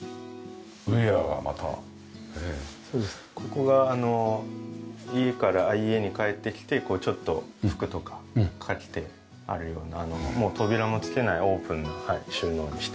ここが家から家に帰ってきてちょっと服とかかけてあるようなもう扉もつけないオープンな収納にしています。